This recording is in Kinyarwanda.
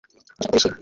Turashaka ko wishima